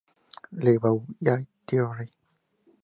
Le Boullay-Thierry